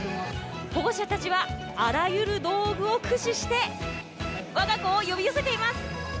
保護者たちは、あらゆる道具を駆使して我が子を呼び寄せています。